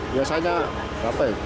biasanya berapa ini